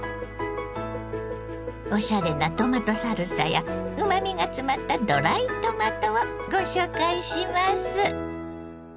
おしゃれなトマトサルサやうまみが詰まったドライトマトをご紹介します。